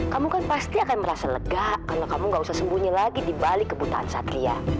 kamu kan pasti akan merasa lega karena kamu gak usah sembunyi lagi di balik kebutaan satria